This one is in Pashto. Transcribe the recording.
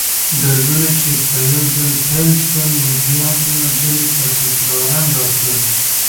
دردونه چې به یو ځل پیل شول، نو بیا بیا ځلې به تکراراً راتلل.